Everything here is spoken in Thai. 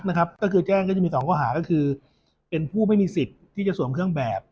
ตอนนี้ทางประพักษณ์แจ้งจะมี๒ข้อหาก็คือเป็นผู้ไม่มีสิทธิ์ที่จะสวมเครื่องแบบ